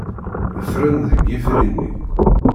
Ffren deg yifri-nni.